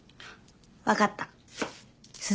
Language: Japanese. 分かった。